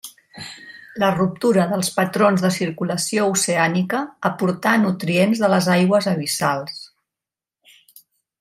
La ruptura dels patrons de circulació oceànica aportà nutrients de les aigües abissals.